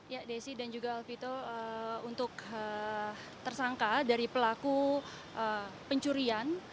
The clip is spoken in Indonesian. ya desi dan juga alvito untuk tersangka dari pelaku pencurian